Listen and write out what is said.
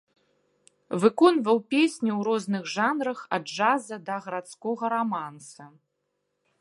Выконваў песні ў розных жанрах ад джаза да гарадскога раманса.